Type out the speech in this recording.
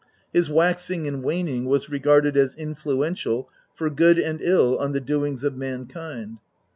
His waxing and waning was regarded as influential for good and ill on the doings of mankind.